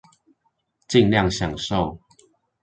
儘量享受